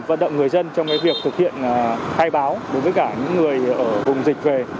vận động người dân trong việc thực hiện khai báo đối với cả những người ở vùng dịch về